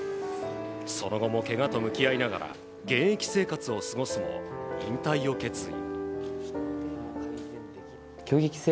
その後もけがと向き合いながら現役生活を過ごすも引退を決意。